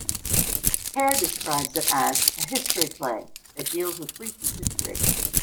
Hare describes it as "a history play" that deals with recent history.